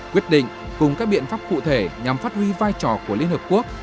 quyết định cùng các biện pháp cụ thể nhằm phát huy vai trò của liên hợp quốc